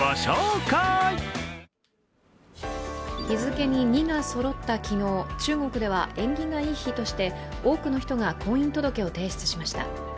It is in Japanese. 日付に２がそろった昨日、中国では縁起がいい日として多くの人が婚姻届を提出しました。